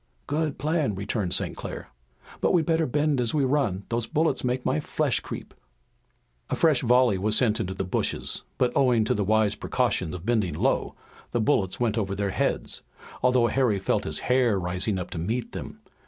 "Good plan!" returned St. Clair. "But we'd better bend down as we run. Those bullets make my flesh creep!" A fresh volley was sent into the bushes, but owing to the wise precaution of bending low, the bullets went over their heads, although Harry felt his hair rising up to meet them.